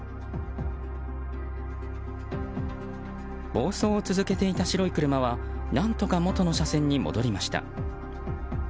暴走を続けていた白い車は何とか元の車線に戻りました。